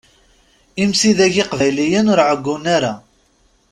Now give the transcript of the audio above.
Imsidag iqbayliyen ur ɛeggun ara.